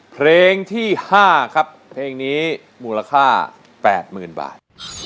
เพลงที่๕ครับเพลงนี้มูลค่า๘๐๐๐บาท